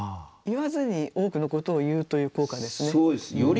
言わずに多くのことを言うという効果ですね。